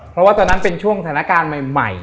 เพราะว่าตอนนั้นเป็นช่วงสถานการณ์ใหม่